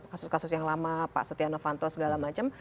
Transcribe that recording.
kasus kasus yang lama pak setia novanto segala macam